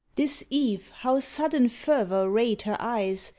This eve how sudden fervour rayed Her eyes!